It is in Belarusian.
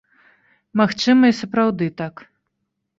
Магчыма, і сапраўды так.